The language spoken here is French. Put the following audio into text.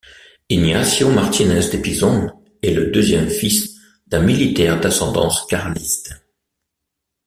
Ignacio Martínez de Pisón est le deuxième fils d'un militaire d'ascendance carliste.